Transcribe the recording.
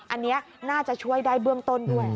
อันนี้น่าจะช่วยได้เบื้องต้นด้วย